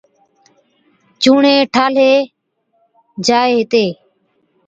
چُوڻي ٺالھي جائي ھِتي